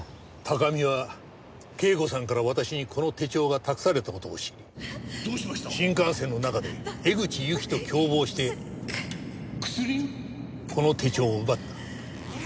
高見は啓子さんから私にこの手帳が託された事を知り新幹線の中で江口ゆきと共謀してこの手帳を奪った。